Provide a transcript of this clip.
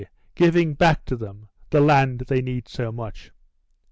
giving back to them the land they need so much.